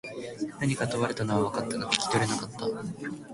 何か問われたのは分かったが、聞き取れなかった。